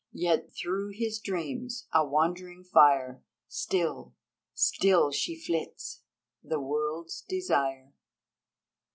Yet, through his dreams, a wandering fire, Still, still she flits, THE WORLD'S DESIRE!